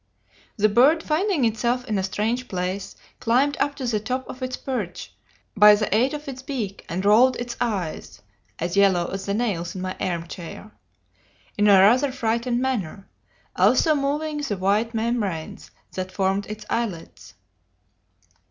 The bird, finding itself in a strange place, climbed up to the top of its perch by the aid of its beak, and rolled its eyes (as yellow as the nails in my arm chair) in a rather frightened manner, also moving the white membranes that formed its eyelids.